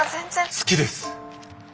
好きです！